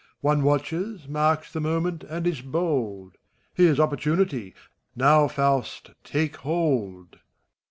One watches, marks the moment, and is bold : Here's opportunity I^now, Faust, take hold